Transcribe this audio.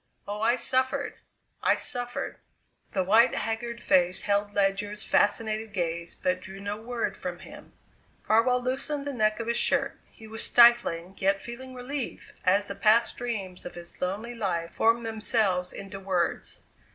Oh! I suffered, I suffered!" The white, haggard face held Ledyard's fascinated gaze, but drew no word from him. Farwell loosened the neck of his shirt he was stifling, yet feeling relief as the past dreams of his lonely life formed themselves into words.